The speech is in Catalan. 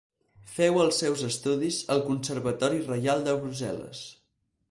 Féu els seus estudis al Conservatori reial de Brussel·les.